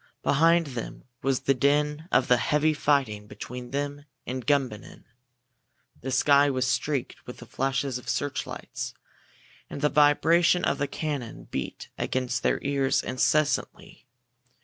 Behind them was the din of the heavy fighting between them and Gumbinnen. The sky was streaked with the flashes of searchlights, and the vibration of the cannon beat against their ears incessantly.